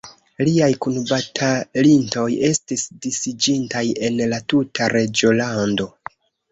Liaj kunbatalintoj estis disiĝintaj en la tuta reĝolando.